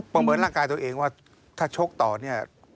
เหมือนร่างกายตัวเองว่าถ้าชกต่อเนี่ย